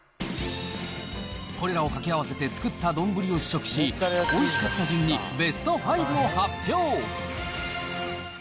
これらを掛け合わせて作った丼を試食し、おいしかった順にベスト５を発表。